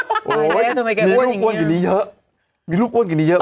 โอ้ยทำไมแกอ้วนอย่างเงี้ยมีลูกอ้วนอย่างเงี้ยเยอะมีลูกอ้วนอย่างเงี้ยเยอะมาก